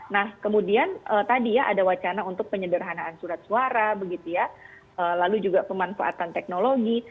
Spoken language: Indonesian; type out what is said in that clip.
nah kemudian tadi ya ada wacana untuk penyederhanaan surat suara begitu ya lalu juga pemanfaatan teknologi